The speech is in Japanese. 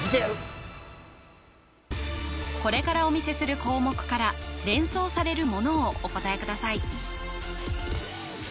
これからお見せする項目から連想される物をお答えください